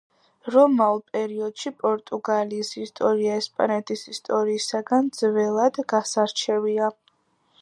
რომაულ პერიოდში პორტუგალიის ისტორია ესპანეთის ისტორიისაგან ძნელად გასარჩევია.